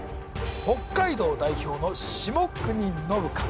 北海道代表の下國伸か？